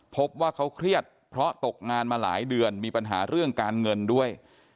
พบว่าเขาเครียดเพราะตกงานมาหลายเดือนมีปัญหาเรื่องการเงินด้วย